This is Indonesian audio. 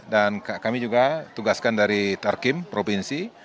dan kami juga tugaskan dari tarkim provinsi